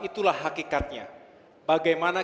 itulah hakikatnya bagaimana